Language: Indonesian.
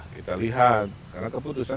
kita lihat karena keputusan